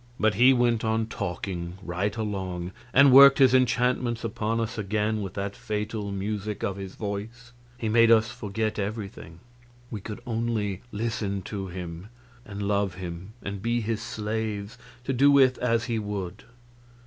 But he went on talking right along, and worked his enchantments upon us again with that fatal music of his voice. He made us forget everything; we could only listen to him, and love him, and be his slaves, to do with us as he would.